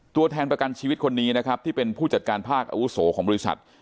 ตัวแทนประกันชีวิตคนนี้นะครับที่เป็นผู้จัดการภาคอาวุโสของบริษัท